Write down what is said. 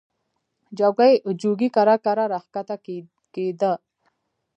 جوګي کرار کرار را کښته کېدی.